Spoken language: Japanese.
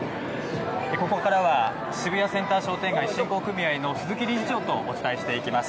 ここからは渋谷センター商店街振興組合の鈴木理事長とお伝えしていきます。